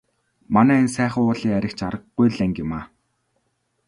Манай энэ Сайхан уулын айраг ч аргагүй л анги юмаа.